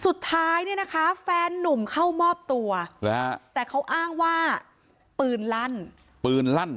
สุดท้ายเนี่ยนะคะแฟนนุ่มเข้ามอบตัวแต่เขาอ้างว่าปืนลั่นปืนลั่น